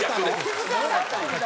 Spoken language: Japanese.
気付かなかったです。